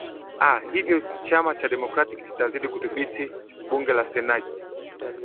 a hivyo chama cha democrat kitazidi kudhibiti bunge la senate